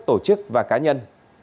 tổ chức và cá nhân